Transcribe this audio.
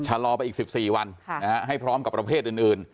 ชะลอไปอีก๑๔วันให้พร้อมกับประเภทอื่น